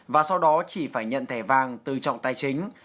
và sau đó chỉ phải nhận thẻ vàng từ trọng tài chính